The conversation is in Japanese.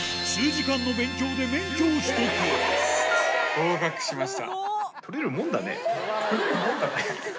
合格しました。